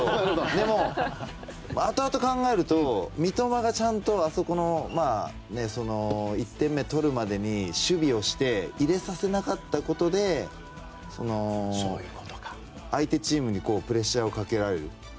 でも、あとあと考えると三笘がちゃんとあそこの１点目取るまでに守備をして入れさせなかったことで相手チームにプレッシャーをかけられる。